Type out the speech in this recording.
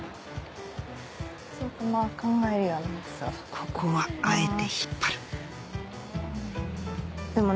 ここはあえて引っ張るでもね。